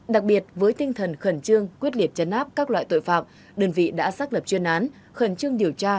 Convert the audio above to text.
đặc biệt với tinh thần khẩn trương quyết liệt chấn áp các loại tội phạm đơn vị đã xác lập chuyên án khẩn trương điều tra